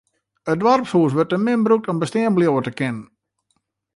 It doarpshûs wurdt te min brûkt om bestean bliuwe te kinnen.